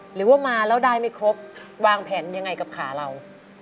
หรือว่ามาแล้วได้ไม่ครบวางแผนยังไงกับขาเรา